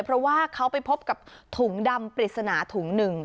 เพราะว่าเขาไปพบกับถุงดำปริศนาถุงหนึ่ง